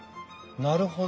なるほど。